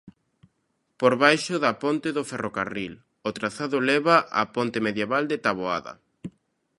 Por baixo da ponte do ferrocarril, o trazado leva á ponte medieval de Taboada.